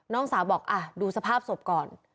น้องสาวบอกดูสภาพศพก่อน